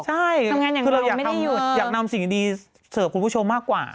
ใช่คือเราอยากนำสิ่งดีเสิร์ฟคุณผู้ชมมากกว่า